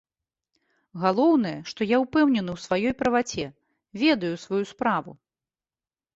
Галоўнае, што я ўпэўнены ў сваёй праваце, ведаю сваю справу.